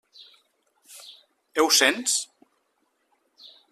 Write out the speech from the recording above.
Ho sents?